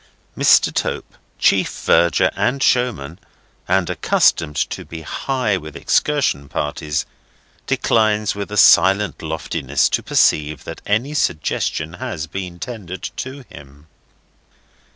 Mr. Tope, Chief Verger and Showman, and accustomed to be high with excursion parties, declines with a silent loftiness to perceive that any suggestion has been tendered to him.